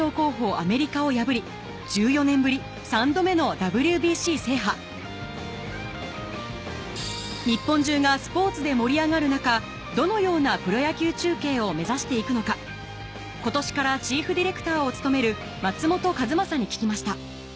アメリカを破り１４年ぶり３度目のＷＢＣ制覇日本中がスポーツで盛り上がる中どのようなプロ野球中継を目指していくのか今年からチーフディレクターを務める松本和将に聞きました